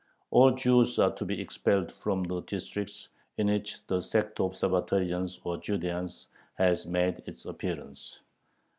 All Jews are to be expelled from the districts in which the sect of Sabbatarians or "Judeans" has made its appearance.